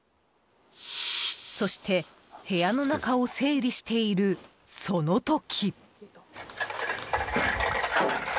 そして、部屋の中を整理しているその時。